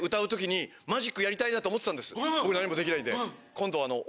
僕何もできないんで。